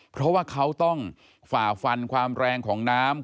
เพราะว่าเขาต้องฝ่าฟันความแรงของน้ำ